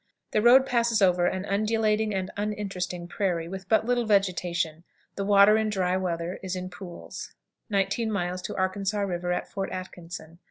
The road passes over an undulating and uninteresting prairie, with but little vegetation. The water in dry weather is in pools. 19. Arkansas River, at Fort Atkinson.